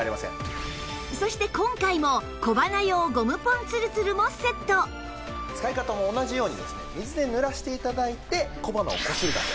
そして今回も使い方も同じようにですね水で濡らして頂いて小鼻をこするだけ！